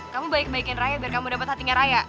kamu baik baikin raya biar kamu dapat hatinya raya